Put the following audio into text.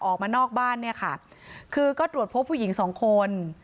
ออกมานอกบ้านเนี่ยค่ะคือก็ตรวจพบผู้หญิงสองคน